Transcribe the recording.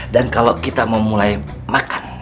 dan kalau kita mau mulai makan